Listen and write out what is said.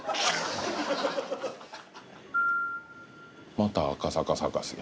また赤坂サカスや。